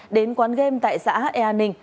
đến quán game tại xã e an ninh